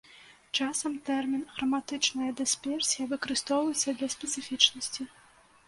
Часам тэрмін храматычная дысперсія выкарыстоўваецца для спецыфічнасці.